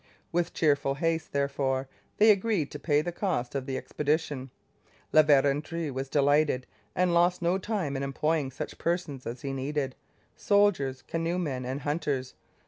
With cheerful haste, therefore, they agreed to pay the cost of the expedition. La Vérendrye was delighted and lost no time in employing such persons as he needed soldiers, canoe men, and hunters.